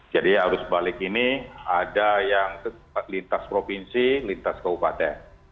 jadi arus balik ini ada yang lintas provinsi lintas kaupate